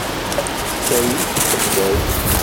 Tessa-yi-d tqeddact.